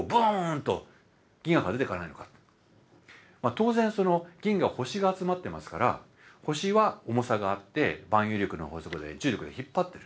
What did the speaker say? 当然銀河は星が集まってますから星は重さがあって万有引力の法則で重力で引っ張ってる。